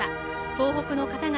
東北の方々